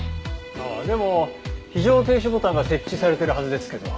ああでも非常停止ボタンが設置されてるはずですけど。